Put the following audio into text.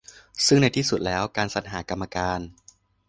ซึ่งในที่สุดแล้ว การสรรหา กรรมการ